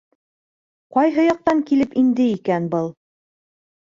Ҡайһы яҡтан килеп инде икән был?